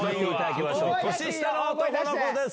年下の男の子です。